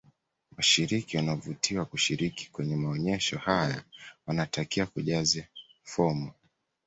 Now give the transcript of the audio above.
washiriki wanaovutiwa kushiriki kwenye maonyesho haya wanatakiwa kujaze fomu